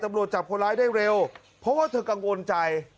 ตำรวจจับคนร้ายได้เร็วเพราะว่าเธอกังวลใจ